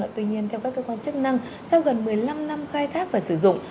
tuy nhiên theo các cơ quan chức năng sau gần một mươi năm năm khai thác và sử dụng